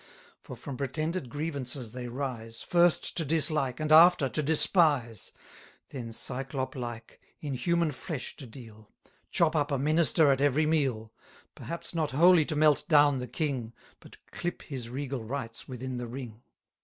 For from pretended grievances they rise, First to dislike, and after to despise; Then, Cyclop like, in human flesh to deal, Chop up a minister at every meal: Perhaps not wholly to melt down the king, But clip his regal rights within the ring.